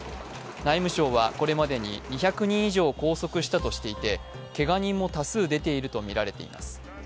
内務省はこれまでに２００人以上を拘束したとしていて、けが人も多数出ているとみられています。